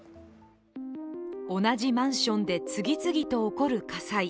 同じマンションで次々と起こる火災。